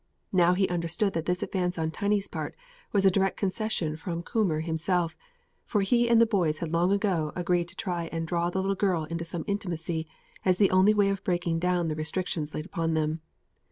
Now he understood that this advance on Tiny's part was a direct concession from Coomber himself, for he and the boys had long ago agreed to try and draw the little girl into some intimacy as the only way of breaking down the restrictions laid upon them.